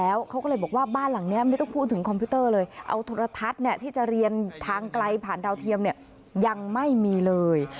เอาโทรทัศน์ที่จะเรียนทางไกลผ่านดาวเทียมยังไม่มีเลย